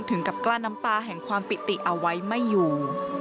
ถึงกับกล้าน้ำตาแห่งความปิติเอาไว้ไม่อยู่